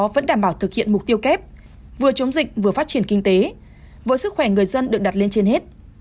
vẫn đảm bảo thực hiện mục tiêu kép vừa chống dịch vừa phát triển kinh tế vừa sức khỏe người dân được đặt lên trên hết